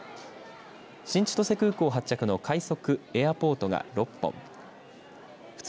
新千歳空港を発着の快速エアポートが６本普通